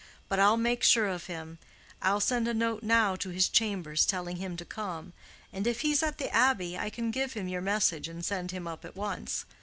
But I'll make sure of him. I'll send a note now to his chambers telling him to come, and if he's at the Abbey I can give him your message and send him up at once.